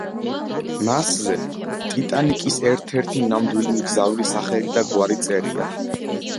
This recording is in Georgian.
მასზე „ტიტანიკის“ ერთ-ერთი ნამდვილი მგზავრის სახელი და გვარი წერია.